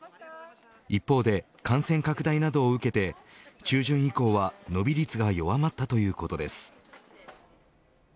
一方で感染拡大などを受けて中旬以降は伸び率が弱まったということです。